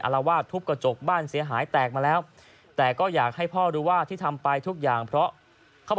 ละวาดทุบกระจกบ้านเสียหายแตกมาแล้วแต่ก็อยากให้พ่อรู้ว่าที่ทำไปทุกอย่างเพราะเขา